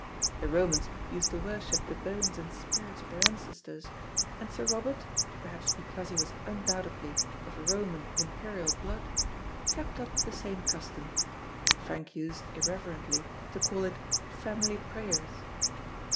The Romans used to worship the bones and spirits of their ancestors, and Sir Robert, perhaps because he was undoubtedly of Roman imperial blood, kept up the same custom. Frank used irreverently to call it "family prayers."